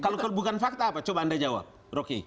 kalau bukan fakta apa coba anda jawab rocky